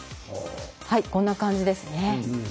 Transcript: こんな感じですね。